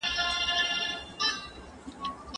دا لړۍ به روانه وي.